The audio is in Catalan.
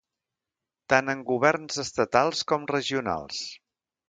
Tant en governs estatals com regionals.